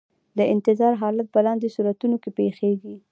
د انتظار حالت په لاندې صورتونو کې پیښیږي.